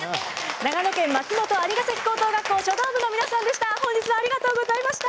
長野県松本蟻ヶ崎高等学校書道部の皆さんでした。